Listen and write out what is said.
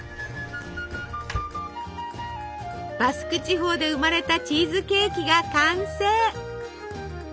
バスク地方で生まれたチーズケーキが完成！